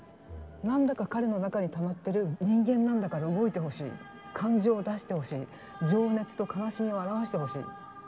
なんだか彼の中にたまってる人間なんだから動いてほしい感情を出してほしい情熱と悲しみを表してほしい。